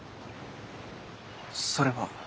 それは。